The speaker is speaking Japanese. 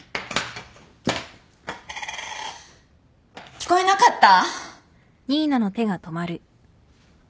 聞こえなかった？